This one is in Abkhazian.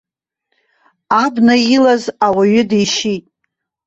Абна илаз ауаҩы дишьит.